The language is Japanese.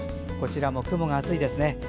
こちらも雲が厚いですね。